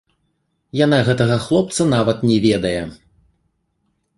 Яна гэтага хлопца нават не ведае.